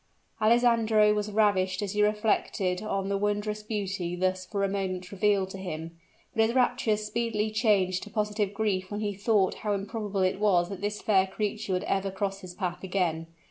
Alessandro was ravished as he reflected on the wondrous beauty thus for a moment revealed to him, but his raptures speedily changed to positive grief when he thought how improbable it was that this fair creature would ever cross his path again.